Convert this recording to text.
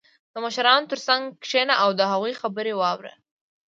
• د مشرانو تر څنګ کښېنه او د هغوی خبرې واوره.